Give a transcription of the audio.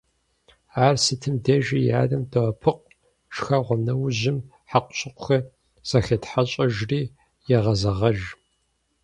Ар сытым дежи и анэм доӀэпыкъу, шхэгъуэ нэужьым хьэкъущыкъухэр зэхетхьэщӏэжри егъэзэгъэж.